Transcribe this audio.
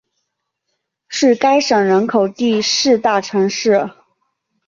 是该省人口第四大城市。